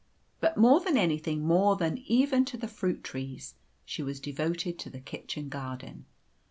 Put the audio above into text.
But more than anything more than even to the fruit trees she was devoted to the kitchen garden.